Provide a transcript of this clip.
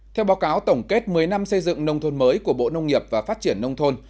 theo báo cáo tổng kết một mươi năm xây dựng nông thôn mới của bộ nông nghiệp và phát triển nông thôn